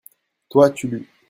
toi, tu lus.